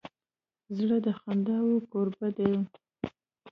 زړه د خنداوو کوربه دی.